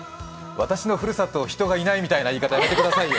私の故郷を人がいないみたいな言い方はやめてくださいよ。